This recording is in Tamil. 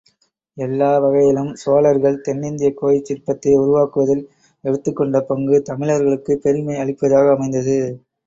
எல்லா வகையிலும் சோழர்கள் தென்னிந்திய கோயிற் சிற்பத்தை உருவாக்குவதில் எடுத்துக் கொண்ட பங்கு, தமிழர்களுக்குப் பெருமை அளிப்பதாகவே அமைந்தது.